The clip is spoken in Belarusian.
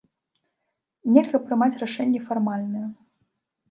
Нельга прымаць рашэнні фармальныя.